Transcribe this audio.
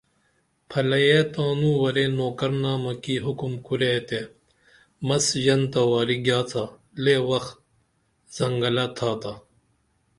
پھلییہ تانوں ورے نوکرنم کی حکم کُرے تے مس ژنتہ واری گیاڅا لے وخت زنگلہ تھا تا